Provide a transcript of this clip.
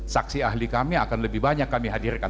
saksi ahli kami akan lebih banyak kami hadirkan